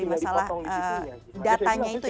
jadi tidak dipotong di situ